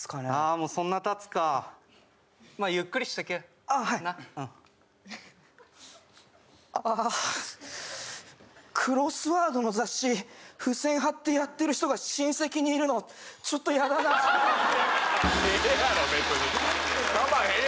もうそんなたつかまあゆっくりしてけなっああはいああクロスワードの雑誌付箋貼ってやってる人が親戚にいるのちょっと嫌だなあええ